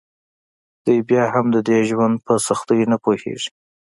دوی بیا هم د دې ژوند په سختیو نه پوهیږي